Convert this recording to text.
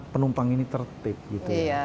penumpang ini tertib gitu